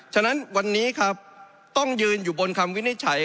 ฉะนั้นวันนี้ครับต้องยืนอยู่บนคำวินิจฉัย